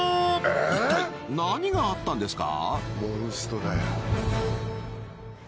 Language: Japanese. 一体何があったんですか？